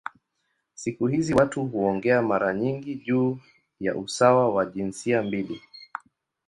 Siku hizi watu huongea mara nyingi juu ya usawa wa jinsia mbili.